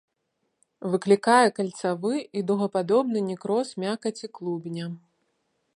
Выклікае кальцавы і дугападобны некроз мякаці клубня.